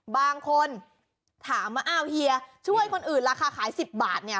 บางคนถามว่าอ้าวเฮียช่วยคนอื่นราคาขาย๑๐บาทเนี่ย